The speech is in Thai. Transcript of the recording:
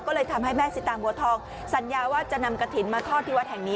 ก็เลยทำให้แม่สิตางบัวทองสัญญาว่าจะนำกระถิ่นมาทอดที่วัดแห่งนี้